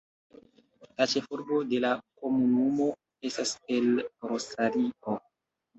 La ĉefurbo de la komunumo estas El Rosario.